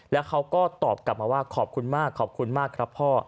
แล้วเขาก็ตอบกลับมาว่าขอบคุณมากขอบคุณมากครับพ่อ